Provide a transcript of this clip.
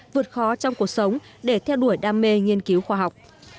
vượt khó trong cuộc sống để theo đuổi đam mê nghiên cứu khoa học